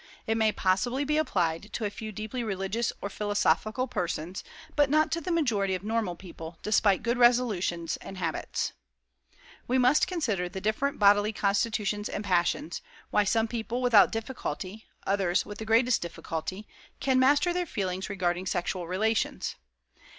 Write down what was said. It may possibly be applied to a few deeply religious or philosophical persons, but not to the majority of normal people, despite good resolutions and habits. We must consider the different bodily constitutions and passions why some people without difficulty, others with the greatest difficulty, can master their feelings regarding sexual relations.